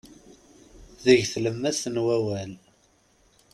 Deg tlemmast n wawal.